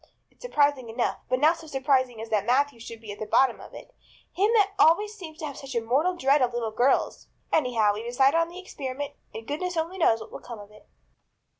It's surprising enough; but not so surprising as that Matthew should be at the bottom of it, him that always seemed to have such a mortal dread of little girls. Anyhow, we've decided on the experiment and goodness only knows what will come of it."